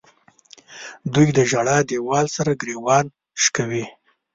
دوی د ژړا دیوال سره ګریوان شکوي.